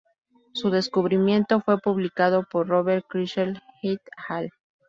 Su descubrimiento fue publicado por Robert Kirshner et al.